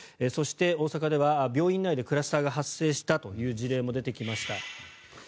そして、大阪では病院内でクラスターが発生したという事例も出てきました。